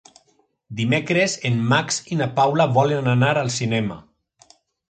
Dimecres en Max i na Paula volen anar al cinema.